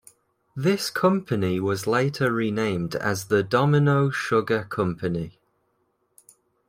This company was later renamed as the Domino Sugar company.